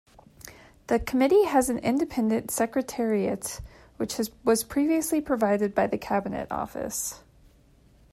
The committee has an independent secretariat which was previously provided by the Cabinet Office.